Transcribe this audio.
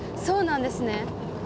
そうなんですね。